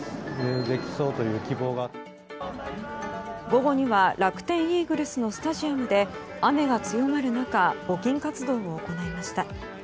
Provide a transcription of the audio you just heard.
午後には楽天イーグルスのスタジアムで雨が強まる中募金活動を行いました。